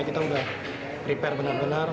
kita sudah prepare benar benar